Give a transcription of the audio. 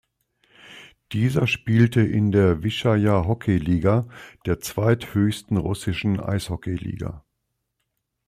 Dieser spielte in der Wysschaja Hockey-Liga, der zweithöchsten russischen Eishockey-Liga.